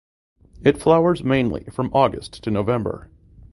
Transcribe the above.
It flowers mainly from August to November.